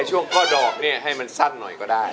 ช่วงข้อดอกเนี่ยให้มันสั้นหน่อยก็ได้